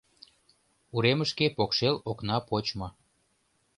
Уремышке покшел окна почмо.